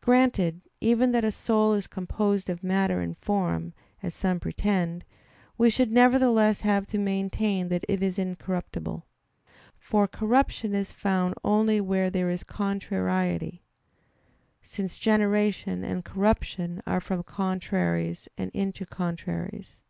Granted even that the soul is composed of matter and form, as some pretend, we should nevertheless have to maintain that it is incorruptible. For corruption is found only where there is contrariety; since generation and corruption are from contraries and into contraries.